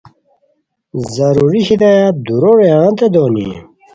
ضروری ہدایات دُورو رویانتین دونی